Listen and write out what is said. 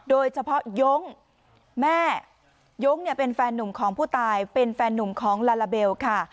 โดยเฉพาะยงแม่ยงเนี่ยเป็นแฟนหนุ่มของผู้ตายเป็นแฟนหนุ่มของลาลาเบลค่ะ